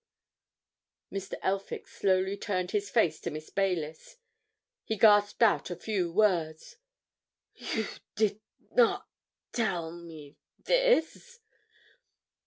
Mr. Elphick slowly turned his face to Miss Baylis. He gasped out a few words. "You—did—not—tell—me—this!"